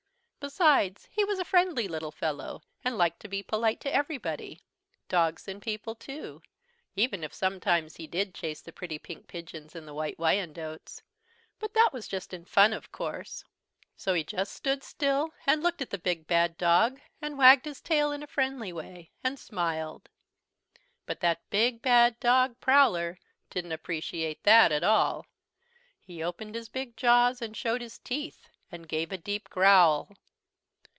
Besides, he was a friendly little fellow, and liked to be polite to everybody, dogs and people too, even if sometimes he did chase the pretty pink pigeons and the White Wyandottes. But that was just in fun, of course. So he just stood still and looked at the big bad dog and wagged his tail in a friendly way, and smiled. But that big bad dog Prowler didn't appreciate that at all. He opened his big jaws and showed his teeth and gave a deep growl.